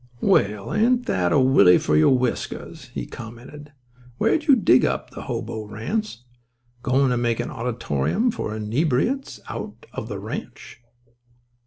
"Well, ain't that a Willie for your whiskers?" he commented. "Where'd you dig up the hobo, Ranse? Goin' to make an auditorium for inbreviates out of the ranch?"